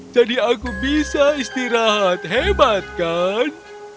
jadi aku bisa istirahat hebat kan